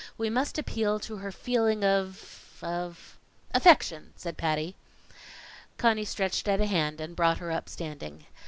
"We must appeal to her feeling of of " "Affection," said Patty. Conny stretched out a hand and brought her up standing.